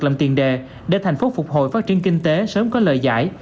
làm tiền đề để thành phố phục hồi phát triển kinh tế sớm có lời giải